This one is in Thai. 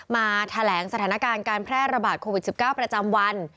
มาแถลงสถานการณ์การแพร่ระบาดโควิด๑๙ประจำวัน